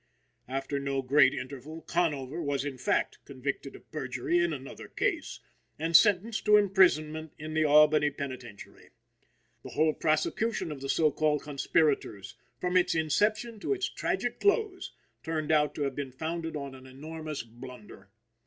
After no great interval, Conover was, in fact, convicted of perjury in another case, and sentenced to imprisonment in the Albany penitentiary. The whole prosecution of the so called conspirators, from its inception to its tragic close, turned out to have been founded on an enormous blunder.